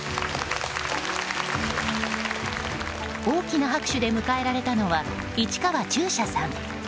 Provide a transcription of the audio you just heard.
大きな拍手で迎えられたのは市川中車さん。